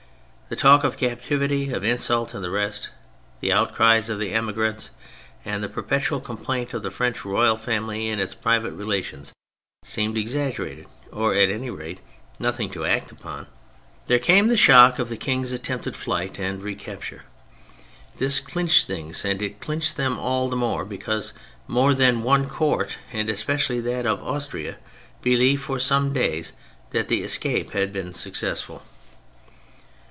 The talk of cap tivity, of insult and the rest, the outcries of the emigrants and the perpetual complaint of the French royal family in its private relations, seemed exaggerated, or at any rate nothing to act upon, until there came the shock of the King's attempted flight and re capture. This clinched things ; and it clinched them all the more because more than one Court, and especiall}'' that of Austria, believed for some days that the escape had been successful.